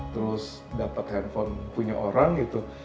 terus dapat handphone punya orang gitu